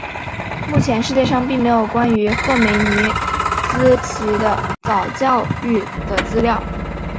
目前世界上并没有关于赫梅尔尼茨基的早年教育的资料。